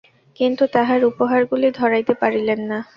কিন্তু তাঁহার উপহারগুলি ধরাইতে পারিলেন না।